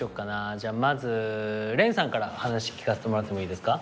じゃあまずれんさんから話聞かせてもらってもいいですか？